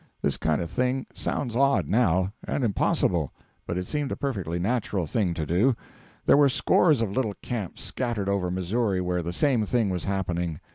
This kind of thing sounds odd now, and impossible, but it seemed a perfectly natural thing to do. There were scores of little camps scattered over Missouri where the same thing was happening.